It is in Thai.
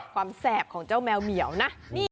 แสบของเจ้าแมวเหมียวนะ